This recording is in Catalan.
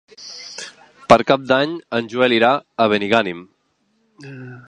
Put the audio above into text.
Per Cap d'Any en Joel irà a Benigànim.